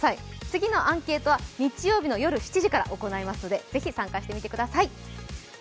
次のアンケートは日曜日の夜７時から行いますので、ぜひ参加してみてください。